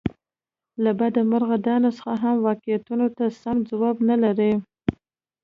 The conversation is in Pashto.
له بده مرغه دا نسخه هم واقعیتونو ته سم ځواب نه لري.